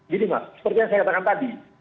jadi mas seperti yang saya katakan tadi